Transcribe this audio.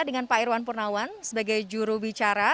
dengan pak irwan purnawan sebagai jurubicara